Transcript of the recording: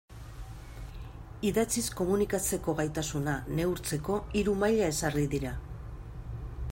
Idatziz komunikatzeko gaitasuna neurtzeko hiru maila ezarri dira.